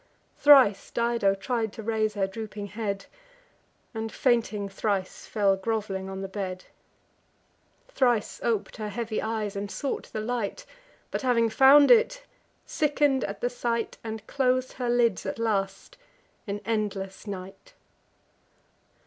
Thrice Dido tried to raise her drooping head, And, fainting thrice, fell grov'ling on the bed; Thrice op'd her heavy eyes, and sought the light, But, having found it, sicken'd at the sight, And clos'd her lids at last in endless night.